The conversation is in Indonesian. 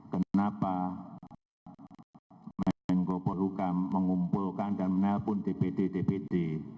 kenapa menko polhukam mengumpulkan dan menelpon dpd dpd